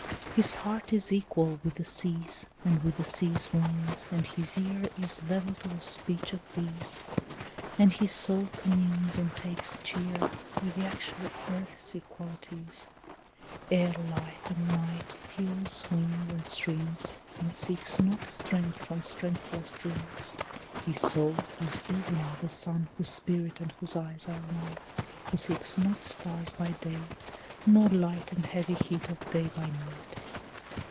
His heart is equal with the sea's And with the sea wind's, and his ear Is level to the speech of these, And his soul communes and takes cheer With the actual earth's equalities, Air, light, and night, hills, winds, and streams, And seeks not strength from strengthless dreams. His soul is even with the sun Whose spirit and whose eye are one, Who seeks not stars by day, nor light And heavy heat of day by night.